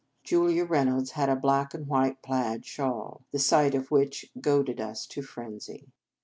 Julia Reynolds had a black and white plaid shawl, the sight of which goaded us to frenzy.